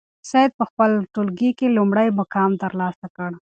سعید په خپل ټولګي کې لومړی مقام ترلاسه کړ.